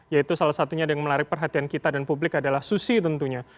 yaitu salah satunya yang menarik perhatian kita dan publik adalah susi tentunya